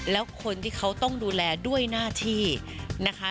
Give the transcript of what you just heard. แล้วคนที่เขาต้องดูแลด้วยหน้าที่นะคะ